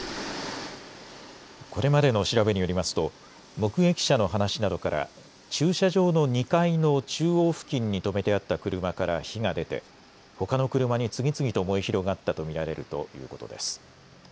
これまでの調べによりますと目撃者の話などから駐車場の２階の中央付近に止めてあった車から火が出てほかの車に次々と燃え広がったと見られるということです。